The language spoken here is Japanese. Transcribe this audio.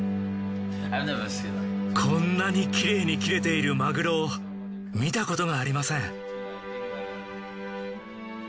こんなにきれいに切れているマグロを見たことがありません。